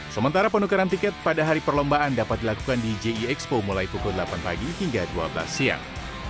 sementara penukaran tiket pada hari perlombaan dapat dilakukan di jie expo mulai pukul delapan pagi hingga dua belas siang